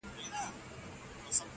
په ځنگله كي سو دا يو سل سرى پاته٫